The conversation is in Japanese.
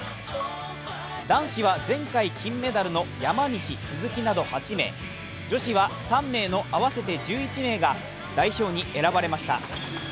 男子は、前回金メダルの山西、鈴木など８名、女子は３名の合わせて１１名が代表に選ばれました。